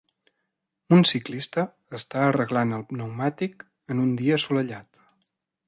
Un ciclista està arreglant el pneumàtic en un dia assolellat.